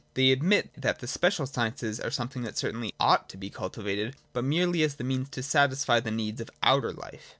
They admit that the special sciences are something that certainly ought to be cultivated, but merely as the means to satisfy the needs of outer life.